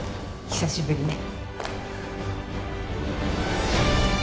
久しぶりね。